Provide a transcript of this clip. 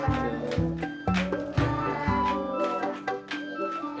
jangan peduli ketawanya